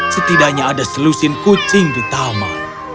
setidaknya ada selusin kucing di taman